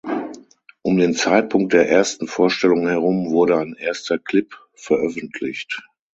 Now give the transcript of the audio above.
Um den Zeitpunkt der ersten Vorstellung herum wurde ein erster Clip veröffentlicht.